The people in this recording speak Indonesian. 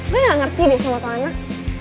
gue gak ngerti deh sama ke anak